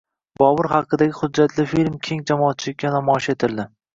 Bobur haqidagi hujjatli film keng jamoatchilikka namoyish etildi